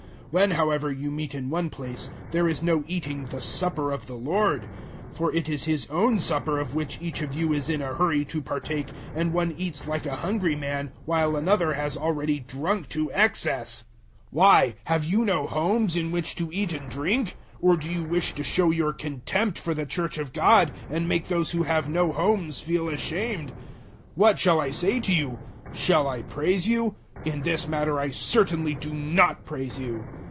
011:020 When, however, you meet in one place, there is no eating the Supper of the Lord; 011:021 for it is his own supper of which each of you is in a hurry to partake, and one eats like a hungry man, while another has already drunk to excess. 011:022 Why, have you no homes in which to eat and drink? Or do you wish to show your contempt for the Church of God and make those who have no homes feel ashamed? What shall I say to you? Shall I praise you? In this matter I certainly do not praise you.